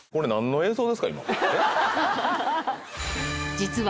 ［実は］